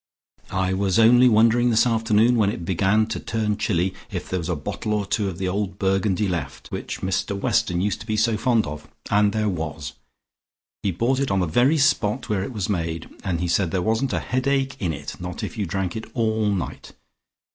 I was only wondering this afternoon when it began to turn chilly, if there was a bottle or two of the old Burgundy left, which Mr Weston used to be so fond of, and there was. He bought it on the very spot where it was made, and he said there wasn't a headache in it, not if you drank it all night.